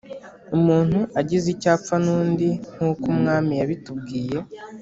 umuntu agize icyo apfana n undi Nk uko Umwami yabitubwiye